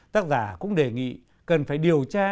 tác giả cũng đề nghị cần phải điều tra